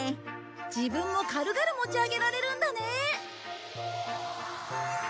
自分も軽々持ち上げられるんだね。